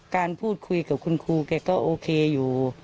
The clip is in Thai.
การพูดคุยกับคุณครูแกก็โอเคอยู่